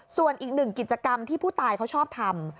ส่วนอีกหนึ่งกิจกรรมที่ผู้ตายเขาชอบทำ